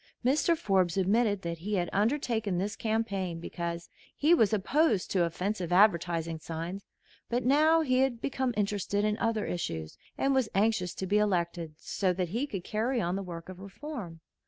Mr. Forbes admitted that he had undertaken this campaign because he was opposed to offensive advertising signs; but now he had become interested in other issues, and was anxious to be elected so that he could carry on the work of reform.